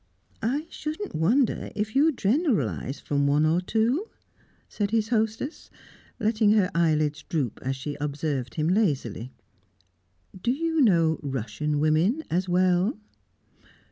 "I shouldn't wonder if you generalise from one or two?" said his hostess, letting her eyelids droop as she observed him lazily. "Do you know Russian women as well?"